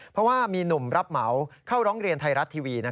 เพราะว่ามีหนุ่มรับเหมาเข้าร้องเรียนไทยรัฐทีวี